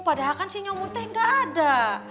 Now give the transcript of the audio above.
padahal kan si nyomud teh enggak ada